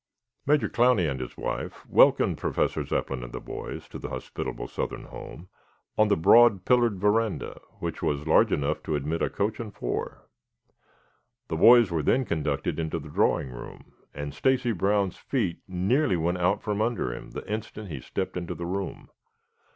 Major Clowney and his wife welcomed Professor Zepplin and the boys to the hospitable southern home on the broad, pillared veranda that was large enough to admit a coach and four. The boys were then conducted into the drawing room, and Stacy Brown's feet nearly went out from under him the instant he stepped into the room.